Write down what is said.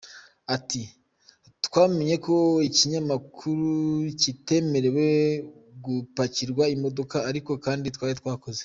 Ati “Twamenye ko ikinyamakuru kitemerewe gupakirwa imodoka ariko kandi twari twasoze.